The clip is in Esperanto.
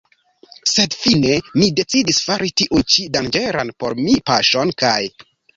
Sed fine mi decidis fari tiun ĉi danĝeran por mi paŝon kaj.